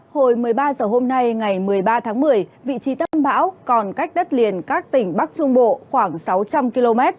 hồi một mươi ba h hôm nay ngày một mươi ba tháng một mươi vị trí tâm bão còn cách đất liền các tỉnh bắc trung bộ khoảng sáu trăm linh km